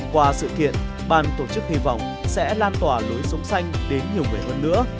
qua sự kiện bàn tổ chức hy vọng sẽ lan tỏa lối sống xanh đến nhiều người hơn nữa